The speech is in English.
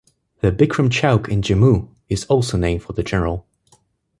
The "Bikram Chowk" in Jammu is also named for the general.